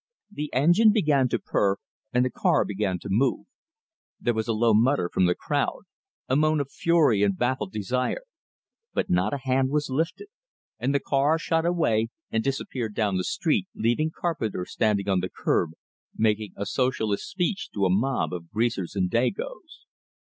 The engine began to purr, and the car began to move. There was a low mutter from the crowd, a moan of fury and baffled desire; but not a hand was lifted, and the car shot away, and disappeared down the street, leaving Carpenter standing on the curb, making a Socialist speech to a mob of greasers and dagoes.